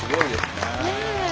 ねえ。